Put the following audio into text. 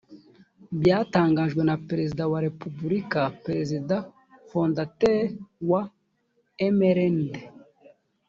byatangajwe na perezida wa repubulika perezida fondateri wa mrnd